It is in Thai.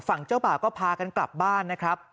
ฝั่งเจ้าบ่าวก็พากันกลับบ้านนะครับ